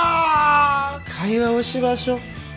会話をしましょう。